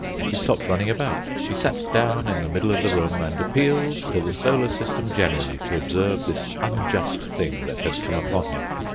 He stopped running about; he sat down in the middle of the room, and appealed to the solar system generally to observe this unjust thing that had come upon him.